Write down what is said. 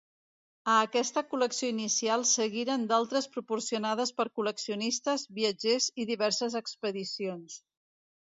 A aquesta col·lecció inicial seguiren d'altres proporcionades per col·leccionistes, viatgers i diverses expedicions.